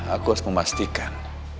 aku harus memastikan